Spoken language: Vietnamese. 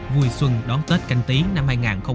vui xuân đón tết canh tí năm hai nghìn hai mươi